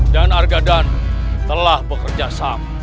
dan arga dan telah bekerja sama